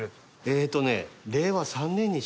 えっとね。